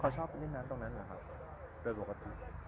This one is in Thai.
เขาชอบเล่นน้ำตรงนั้นนะครับโดยปกติ